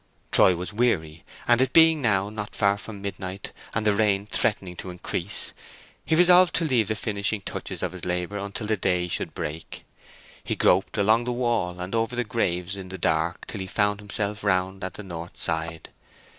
Troy was weary and it being now not far from midnight, and the rain threatening to increase, he resolved to leave the finishing touches of his labour until the day should break. He groped along the wall and over the graves in the dark till he found himself round at the north side.